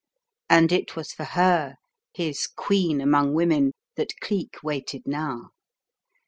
And it was for her, his queen among women, that Cleek waited now.